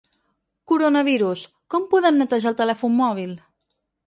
Coronavirus: com podem netejar el telèfon mòbil?